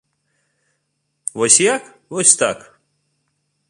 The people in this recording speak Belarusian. Вось як, вось так!